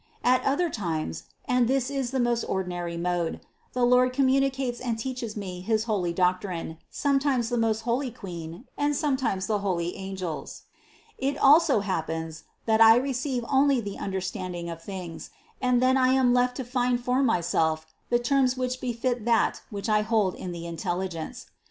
At other times (and this is the most ordinary mode) the Lord communicates and teaches me his holy doctrine, sometimes the most holy Queen, and sometimes the holy angels. It also happens, that I receive only the under standing of things, and then I am left to find for myself the terms which befit that which I hold in the intelligence.